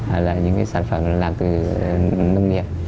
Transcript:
bánh dày này là những cái sản vật là những cái sản phẩm làm từ nông nghiệp